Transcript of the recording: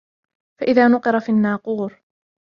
فَإِذَا نُقِرَ فِي النَّاقُورِ